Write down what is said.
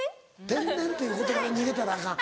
天然っていう言葉に逃げたらアカン。